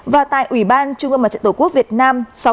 và tại ubnd tổ quốc việt nam